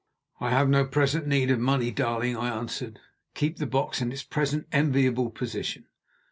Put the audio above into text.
"I have no present need of money, darling," I answered; "keep the box in its present enviable position."